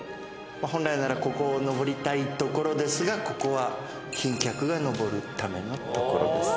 本来ならここを上りたいですがここは賓客が上るための所です。